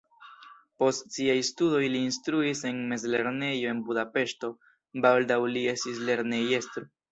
Post siaj studoj li instruis en mezlernejo en Budapeŝto, baldaŭ li estis lernejestro.